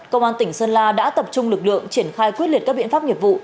công an tỉnh sơn la đã tập trung lực lượng triển khai quyết liệt các biện pháp nghiệp vụ